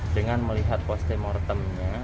dengan melihat poste mortemnya